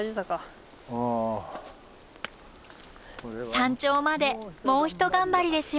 山頂までもうひと頑張りですよ！